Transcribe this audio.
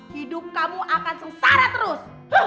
hidup kamu akan sengsara terus